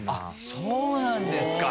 そうなんですか！